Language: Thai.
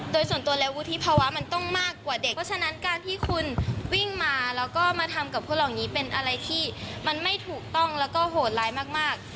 โดยส่วนตัวแล้ววุฒิภาวะมันต้องมากกว่าเด็กเพราะฉะนั้นการที่คุณวิ่งมาแล้วก็มาทำกับคนเหล่านี้เป็นอะไรที่มันไม่ถูกต้องแล้วก็โหดร้ายมาก